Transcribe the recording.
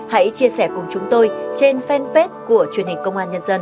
hãy chia sẻ cùng chúng tôi trên fanpage của truyền hình công an nhân dân